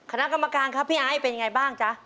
คณะกรรมการครับพี่ไอ้เป็นยังไงบ้างจ๊ะ